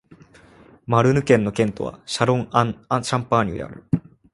マルヌ県の県都はシャロン＝アン＝シャンパーニュである